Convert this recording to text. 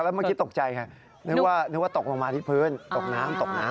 เนื้อคิดว่าตกลงมาที่พื้นตกน้ำ